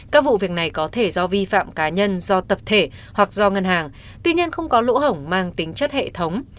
các vụ việc này có thể do vi phạm cá nhân do tập thể hoặc do ngân hàng tuy nhiên không có lỗ hổng mang tính chất hệ thống